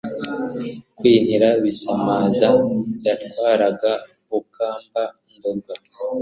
Kwintiri Bisamaza yatwaraga BukambaNdorwa